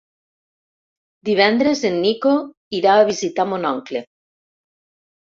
Divendres en Nico irà a visitar mon oncle.